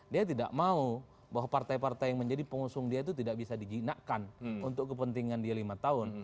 dia tidak mau bahwa partai partai yang menjadi pengusung dia itu tidak bisa dijinakkan untuk kepentingan dia lima tahun